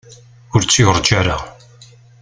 Ur tt-yurǧa ara.